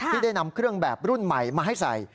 ที่ได้นำเครื่องแบบรุ่นใหม่มาให้ใส่